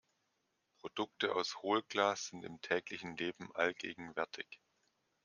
Produkte aus Hohlglas sind im täglichen Leben allgegenwärtig.